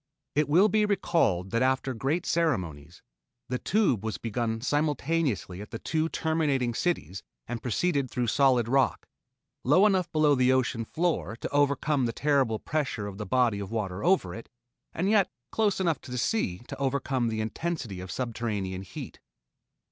It will be recalled that after great ceremonies, the Tube was begun simultaneously at the two terminating cities and proceeded through solid rock low enough below the ocean floor to overcome the terrible pressure of the body of water over it, and yet close enough to the sea to overcome the intensity of subterranean heat.